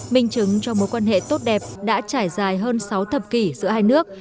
minh chứng cho mối quan hệ tốt đẹp đã trải dài hơn sáu thập kỷ giữa hai nước